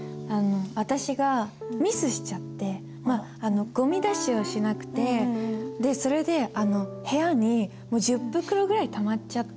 私がミスしちゃってまあゴミ出しをしなくてそれで部屋に１０袋ぐらいたまっちゃって。